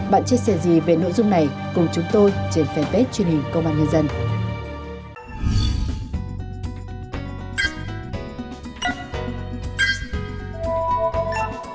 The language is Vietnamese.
bạn chia sẻ gì về nội dung này cùng chúng tôi trên fanpage truyền hình công an nhân dân